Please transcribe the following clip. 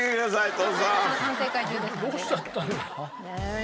どうしちゃったんだ？